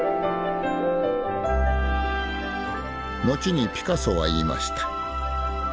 後にピカソは言いました。